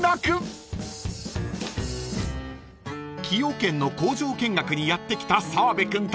［崎陽軒の工場見学にやって来た澤部君たち］